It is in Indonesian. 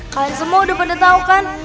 kalian semua sudah pada tahu kan